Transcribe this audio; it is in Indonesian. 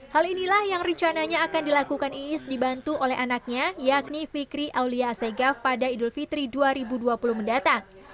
hal inilah yang rencananya akan dilakukan iis dibantu oleh anaknya yakni fikri aulia asegaf pada idul fitri dua ribu dua puluh mendatang